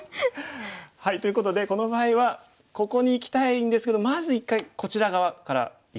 ということでこの場合はここにいきたいんですけどまず一回こちら側からいく。